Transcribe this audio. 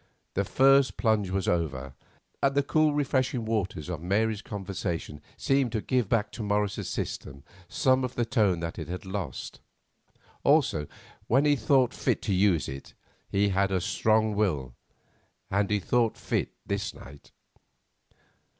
The first plunge was over, and the cool refreshing waters of Mary's conversation seemed to give back to Morris's system some of the tone that it had lost. Also, when he thought fit to use it, he had a strong will, and he thought fit this night.